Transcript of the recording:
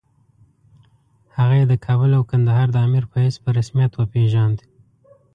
هغه یې د کابل او کندهار د امیر په حیث په رسمیت وپېژاند.